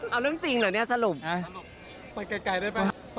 เอาเรื่องจริงเหรอเนี่ยสรุป